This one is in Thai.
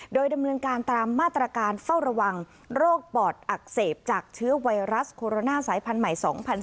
โดยดำเนินการตามมาตรการเฝ้าระวังโรคปอดอักเสบจากเชื้อไวรัสโคโรนาสายพันธุ์ใหม่๒๐๑๙